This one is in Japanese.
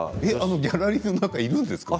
ギャラリーの中にいるんですか。